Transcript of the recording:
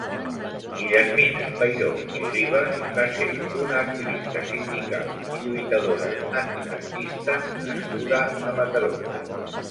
Guillermina Peiró i Olives va ser una activista sindical i lluitadora antifranquista nascuda a Mataró.